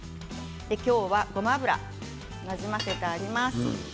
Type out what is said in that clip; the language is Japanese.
ごま油なじませてあります。